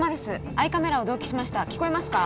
アイカメラを同期しました聞こえますか？